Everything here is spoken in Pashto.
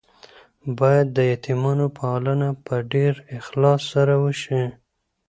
باید د یتیمانو پالنه په ډیر اخلاص سره وشي.